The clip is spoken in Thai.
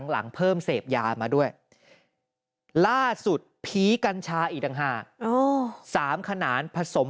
หลังเพิ่มเสพยามาด้วยล่าสุดผีกัญชาอีกต่างหาก๓ขนานผสม